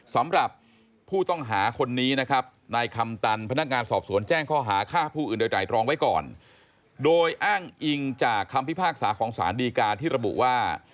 สำหรับผู้ต้องหาคนนี้นะครับนายคำตันพนักงานสอบสวนแจ้งข้อหาฆ่าผู้อื่นโดยไตรรองไว้ก่อนโดยอ้างอิงจากคำพิพากษาของสารดีกาที่ระบุว่า